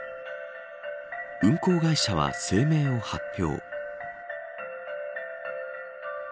運航会社は、声明を発表。